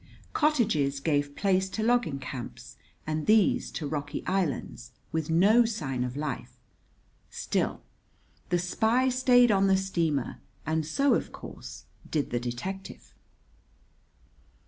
Cottages gave place to logging camps and these to rocky islands, with no sign of life; still, the spy stayed on the steamer, and so, of course, did the detective.